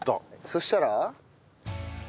そしたら？